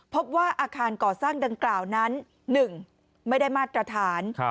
พบว่าอาคารก่อสร้างหนึ่งไม่ได้มาตรฐาน